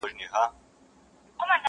په ډېر جبر په خواریو مي راتله دي.!